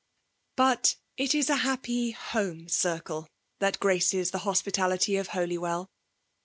But it is a happy Aoma circle that graces the hospitality of HolyweU !